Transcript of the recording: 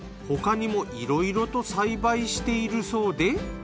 他にもいろいろと栽培しているそうで。